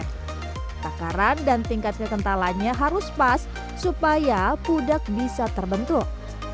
takaran dan tingkat kekentalannya harus pas supaya pudak bisa terbentuk